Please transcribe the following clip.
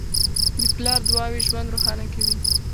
د پلار دعاوې ژوند روښانه کوي.